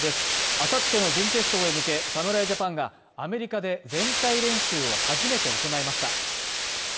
あさっての準決勝へ向け、侍ジャパンがアメリカで全体練習を初めて行いました。